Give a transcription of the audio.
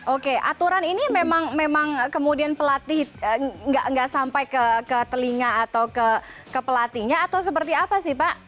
oke aturan ini memang kemudian pelatih nggak sampai ke telinga atau ke pelatihnya atau seperti apa sih pak